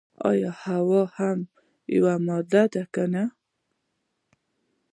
ایا هوا هم یوه ماده ده که نه.